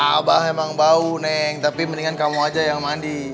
abah emang bau neng tapi mendingan kamu aja yang mandi